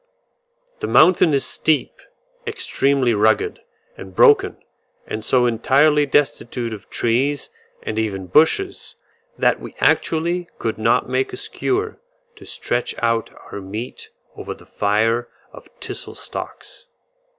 The mountain is steep, extremely rugged, and broken, and so entirely destitute of trees, and even bushes, that we actually could not make a skewer to stretch out our meat over the fire of thistle stalks.